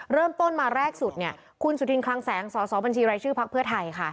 เริ่มต้นมาแรกสุดเนี่ยคุณสุธินคลังแสงสสบัญชีรายชื่อพักเพื่อไทยค่ะ